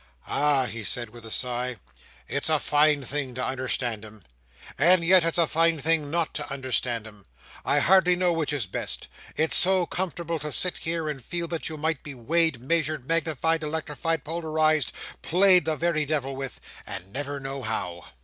"Ah!" he said, with a sigh, "it's a fine thing to understand 'em. And yet it's a fine thing not to understand 'em. I hardly know which is best. It's so comfortable to sit here and feel that you might be weighed, measured, magnified, electrified, polarized, played the very devil with: and never know how."